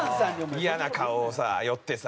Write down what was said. イヤな顔をさ寄ってさ。